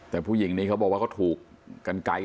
แต่ผู้หญิงนี้เขาบอกว่าเขาถูกกันไกล